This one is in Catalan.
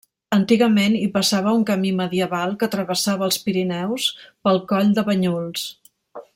Antigament, hi passava un camí medieval que travessava els Pirineus pel coll de Banyuls.